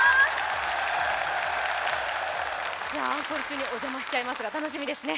本番中にお邪魔しちゃいますが、楽しみですね。